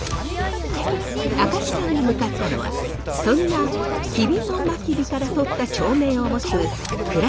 赤木さんが向かったのはそんな吉備真備からとった町名を持つ倉敷市真備町。